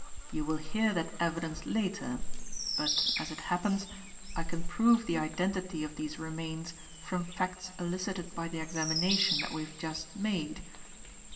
You will hear that evidence later, but, as it happens, I can prove the identity of these remains from facts elicited by the examination that we have just made.